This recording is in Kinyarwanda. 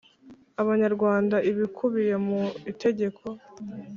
abanyarwanda ibikubiye mu itegeko